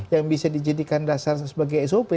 yang bisa dijadikan dasar sebagai sop